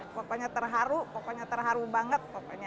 pokoknya terharu pokoknya terharu banget pokoknya